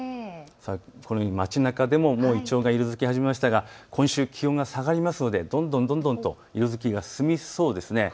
このように街なかでもイチョウが色づき始めましたが今週、気温が下がりますのでどんどんどんどんと色づきが進みそうですね。